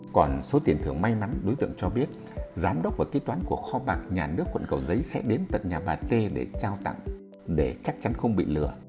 còn số tiền thưởng may mắn đối tượng cho biết giám đốc và kế toán của kho bạc nhà nước quận cầu giấy sẽ đến tận nhà bà t để trao tặng để chắc chắn không bị lừa